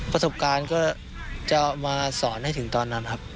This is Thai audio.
ประสบการณ์ก็จะมาสอนให้ถึงตอนนั้นครับ